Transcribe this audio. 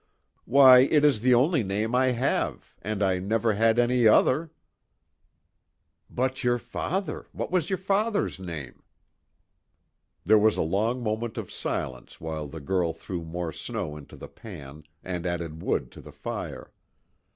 "Why, it is the only name I have, and I never had any other." "But your father what was your father's name?" There was a long moment of silence while the girl threw more snow into the pan, and added wood to the fire.